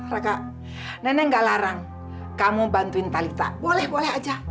raka nenek gak larang kamu bantuin talitha boleh boleh aja